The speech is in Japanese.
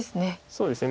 そうですね